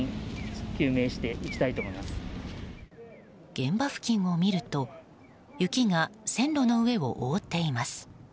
現場付近を見ると雪が線路の上を覆っています。